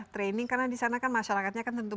training karena di sana kan masyarakatnya kan tentu